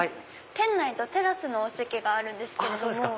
店内とテラスのお席があるんですけれども。